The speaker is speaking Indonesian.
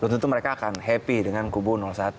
tentu mereka akan happy dengan kubu satu